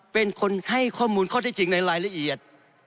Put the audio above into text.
เป็นคนให้ข้อมูลข้อที่จริงในรายละเอียด